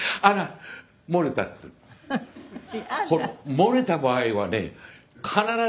漏れた場合はね必ず。